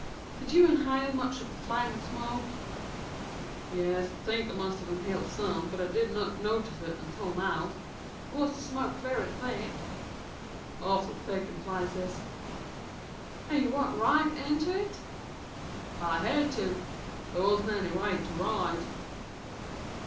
"Did you inhale much of the flame and smoke?" "Yes, I think I must have inhaled some, but I did not notice it until now." "Was the smoke very thick?" "Awfully thick in places." "And you walked right into it?" "I had to. There wasn't any way to ride."